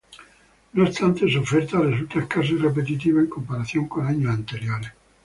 No obstante, su oferta resulta escasa y repetitiva en comparación con años anteriores.